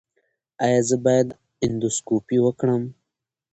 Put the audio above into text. ایا زه باید اندوسکوپي وکړم؟